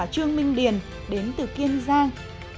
trương minh điền đến từ kiên giang